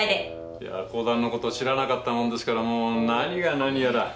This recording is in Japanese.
いや講談のことを知らなかったもんですからもう何が何やら。